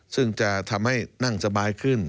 ซึ่งจะทำให้นั่งสบายขึ้น